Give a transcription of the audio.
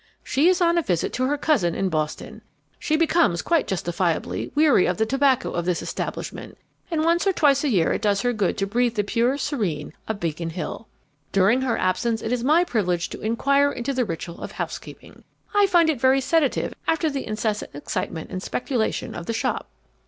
She is on a visit to her cousin in Boston. She becomes, quite justifiably, weary of the tobacco of this establishment, and once or twice a year it does her good to breathe the pure serene of Beacon Hill. During her absence it is my privilege to inquire into the ritual of housekeeping. I find it very sedative after the incessant excitement and speculation of the shop."